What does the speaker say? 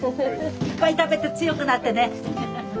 いっぱい食べて強くなってね！